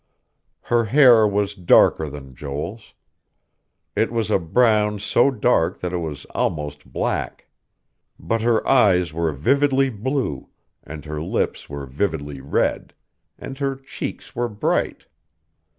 Her hair was darker than Joel's; it was a brown so dark that it was almost black. But her eyes were vividly blue, and her lips were vividly red, and her cheeks were bright....